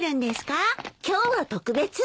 今日は特別。